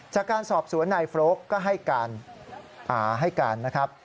จากการสอบสวนนายโฟลกก็ให้การอ่าให้การนะครับ